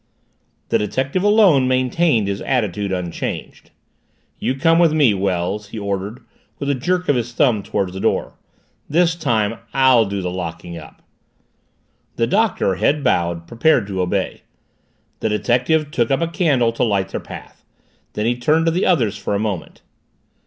The detective alone maintained his attitude unchanged. "You come with me, Wells," he ordered, with a jerk of his thumb toward the door. "This time I'll do the locking up." The Doctor, head bowed, prepared to obey. The detective took up a candle to light their path. Then he turned to the others for a moment.